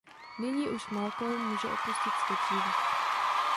Nyní už Malcolm může opustit svět živých.